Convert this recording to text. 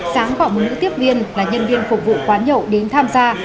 sáng gọi một nữ tiếp viên là nhân viên phục vụ quán nhậu đến tham gia